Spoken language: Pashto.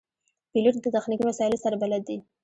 پیلوټ د تخنیکي وسایلو سره بلد وي.